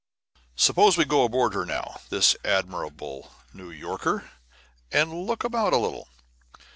Suppose we go aboard her now, this admirable New Yorker, and look about a little.